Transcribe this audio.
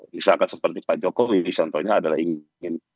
misalkan seperti pak jokowi contohnya adalah ingin